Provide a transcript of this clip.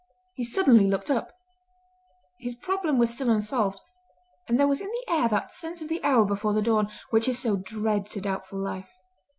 He suddenly looked up, his problem was still unsolved, and there was in the air that sense of the hour before the dawn, which is so dread to doubtful life.